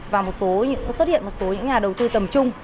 và xuất hiện một số nhà đầu tư tầm trung